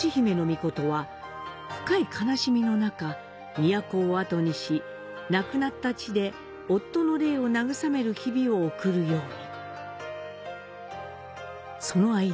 都をあとにし、亡くなった地で夫の霊を慰める日々を送るように。